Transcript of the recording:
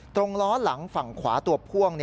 ล้อหลังฝั่งขวาตัวพ่วง